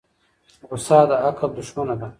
غصه د عقل دښمنه ده.